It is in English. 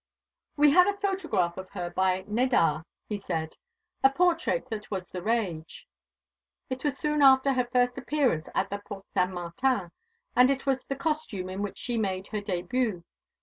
"We had a photograph of her by Nadar," he said "a portrait that was the rage. It was soon after her first appearance at the Porte Saint Martin, and it was the costume in which she made her début.